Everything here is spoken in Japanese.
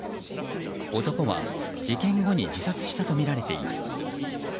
男は事件後に自殺したとみられています。